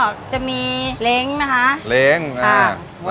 ก็จะมีเล้งนะคะ